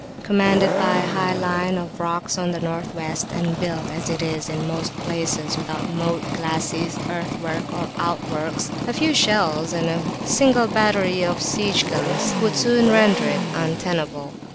Commanded by a high line of rocks on the North West, and built as it is in most places without moat, glacis, earthwork, or outworks, a few shells and a single battery of siege guns would soon render it untenable.